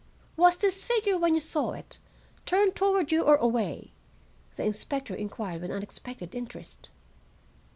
"Was this figure, when you saw it, turned toward you or away?" the inspector inquired with unexpected interest.